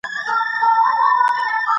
پښتو ژبه مو د ژوند رڼا ده.